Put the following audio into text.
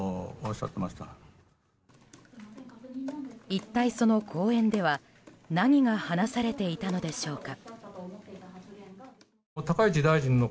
一体その講演では何が話されていたのでしょうか。